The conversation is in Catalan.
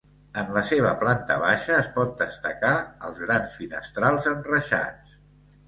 En la seva planta baixa es pot destacar els grans finestrals enreixats.